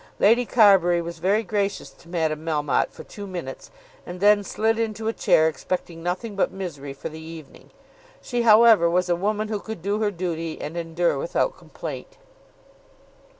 Lady Carbury was very gracious to Madame Melmotte for two minutes, and then slid into a chair expecting nothing but misery for the evening. She, however, was a woman who could do her duty and endure without complaint.